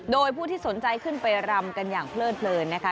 โดยผู้ที่สนใจขึ้นไปรำกันอย่างเพลิดเลินนะคะ